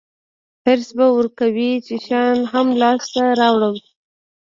حرص به ورکوي چې شیان هم لاسته راوړم.